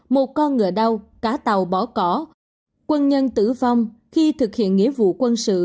một con ngựa đau cả tàu bỏ cỏ quân nhân tử vong khi thực hiện nghĩa vụ quân sự